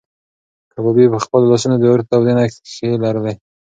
کبابي په خپلو لاسو کې د اور تودې نښې لرلې.